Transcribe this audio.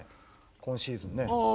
今シーズンね。